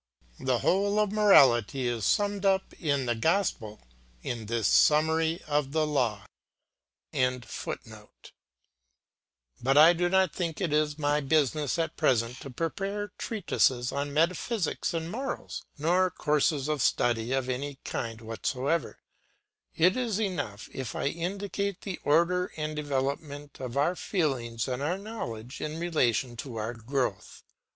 The whole of morality is summed up in the gospel in this summary of the law.] But I do not think it is my business at present to prepare treatises on metaphysics and morals, nor courses of study of any kind whatsoever; it is enough if I indicate the order and development of our feelings and our knowledge in relation to our growth.